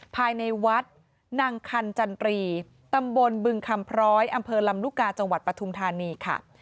ภายในวัดนางคันจันตรีตำบลบึงคำพร้อยอำเภอลำลูกกาจังหวัดปฐุมธานีค่ะ